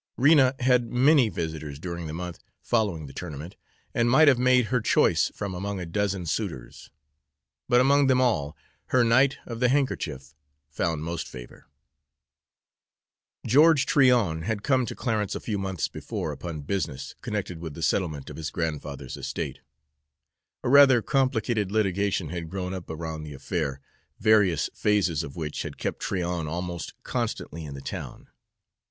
Rena had many visitors during the month following the tournament, and might have made her choice from among a dozen suitors; but among them all, her knight of the handkerchief found most favor. George Tryon had come to Clarence a few months before upon business connected with the settlement of his grandfather's estate. A rather complicated litigation had grown up around the affair, various phases of which had kept Tryon almost constantly in the town.